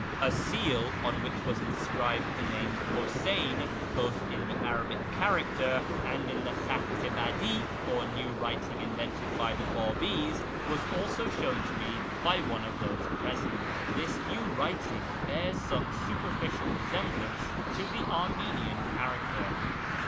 A seal, on which was inscribed the name Huseyn, both in the Arabic character and in the Khatt i hadi , or new writing invented by the Babis, was also shown to me by one of those present. This new writing bears some superficial resemblance to the Armenian character.